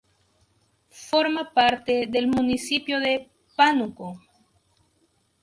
Forma parte del municipio de Pánuco.